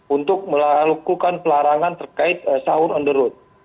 untuk melakukan pelarangan terkait sahur on the road